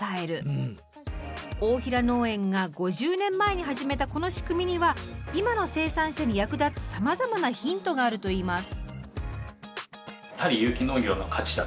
大平農園が５０年前に始めたこの仕組みには今の生産者に役立つさまざまなヒントがあるといいます。